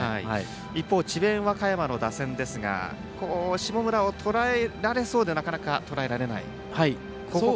一方、智弁和歌山の打線は下村をとらえられそうでなかなかとらえられない。